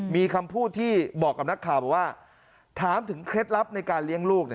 มีคำพูดที่บอกกับนักข่าวบอกว่าถามถึงเคล็ดลับในการเลี้ยงลูก